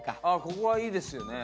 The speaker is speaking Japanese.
ここはいいですよね。